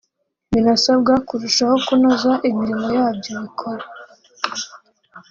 binasabwa kurushaho kunoza imirimo yabyo bikora